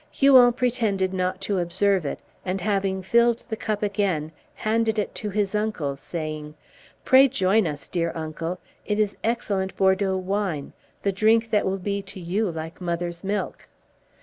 Huon pretended not to observe it, and having filled the cup again handed it to his uncle, saying, "Pray, join us, dear uncle; it is excellent Bordeaux wine, the drink that will be to you like mother's milk."